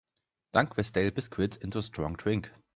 Dunk the stale biscuits into strong drink.